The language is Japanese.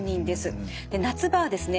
夏場はですね